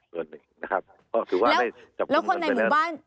แล้วคนในหมู่บ้าน